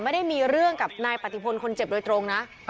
ไม่ได้มีเรื่องกับนายปฏิพลคนเจ็บโดยตรงนะ